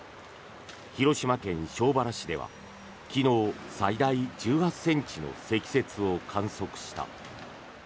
広島県庄原市では昨日、最大１８ｃｍの積雪を観測した。